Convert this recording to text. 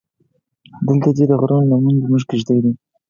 دلته دې د غرو لمنې زموږ کېږدۍ دي.